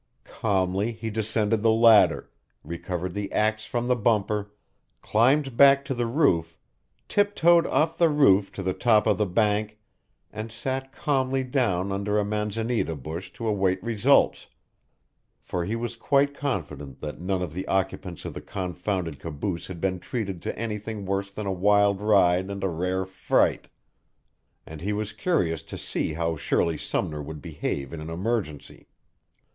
Calmly he descended the ladder, recovered the axe from the bumper, climbed back to the roof, tiptoed off the roof to the top of the bank and sat calmly down under a manzanita bush to await results, for he was quite confident that none of the occupants of the confounded caboose had been treated to anything worse than a wild ride and a rare fright, and he was curious to see how Shirley Sumner would behave in an emergency.